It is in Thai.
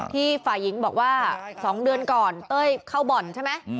ฝ่ายหญิงบอกว่า๒เดือนก่อนเต้ยเข้าบ่อนใช่ไหม